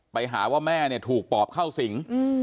ไปหาว่าแม่เนี่ยถูกปอบเข้าสิง